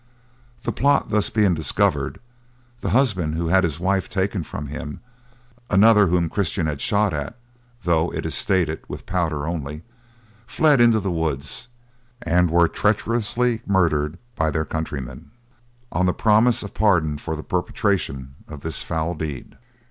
The plot being thus discovered, the husband who had his wife taken from him, another whom Christian had shot at (though, it is stated, with powder only), fled into the woods, and were treacherously murdered by their countrymen, on the promise of pardon for the perpetration of this foul deed.